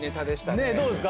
ねえどうですか？